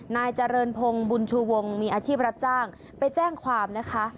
นายเจริญพงศ์บุญชูวงมีอาชีพรับจ้างไปแจ้งความนะคะ